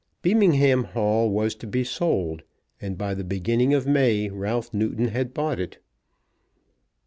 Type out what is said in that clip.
Beamingham Hall was to be sold, and by the beginning of May Ralph Newton had bought it.